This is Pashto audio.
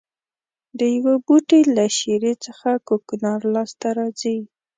د یوه بوټي له شېرې څخه کوکنار لاس ته راځي.